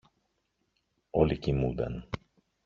Όλοι κοιμούνταν.